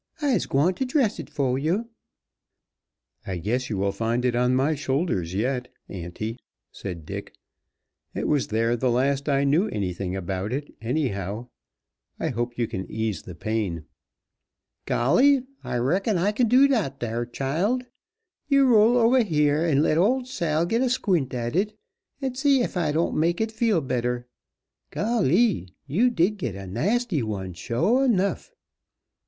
"I's gwine to dress hit fo' yo'." "I guess you will find it on my shoulders yet, auntie," said Dick. "It was there the last I knew anything about it, anyhow. I hope you can ease the pain." "Golly! I reckon I kin do dat dar, child. Yo' roll ober heah and let old Sal git a squint at it, and see ef I don't make it feel better. Golly! you did git a nasty one, shua 'nuff.